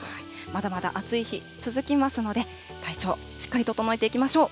まだまだ暑い日続きますので、体調、しっかり整えていきましょう。